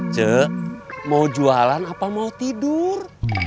cek mau jualan apa mau tidur